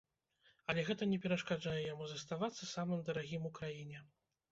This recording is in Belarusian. Але гэта не перашкаджае яму заставацца самым дарагім у краіне.